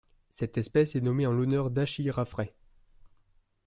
Cette espèce est nommée en l'honneur d'Achille Raffray.